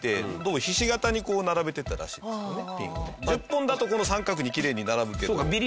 １０本だと三角にきれいに並ぶけど。